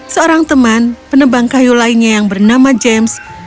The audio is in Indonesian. seorang teman penebang kayu lainnya yang bernama james